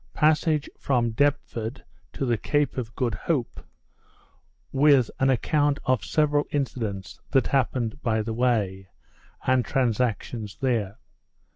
_Passage from Deptford to the Cape of Good Hope, with an Account of several Incidents that happened by the Way, and Transactions there.